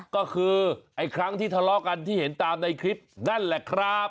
ก็คือไอ้ครั้งที่ทะเลาะกันที่เห็นตามในคลิปนั่นแหละครับ